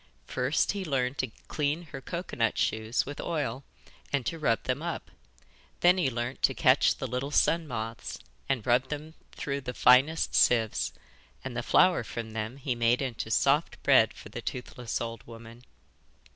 First he learned to clean her cocoa nut shoes with oil and to rub them up. Then he learnt to catch the little sun moths and rub them through the finest sieves, and the flour from them he made into soft bread for the toothless old woman.